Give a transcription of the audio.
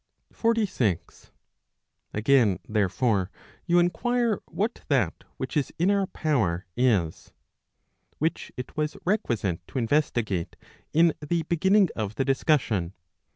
46. Again, therefore, you inquire what that which is in our power is. Which it was requisite to investigate in the beginning of the discussion.